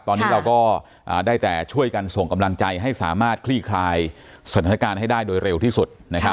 ตอนนี้เราก็ได้แต่ช่วยกันส่งกำลังใจให้สามารถคลี่คลายสถานการณ์ให้ได้โดยเร็วที่สุด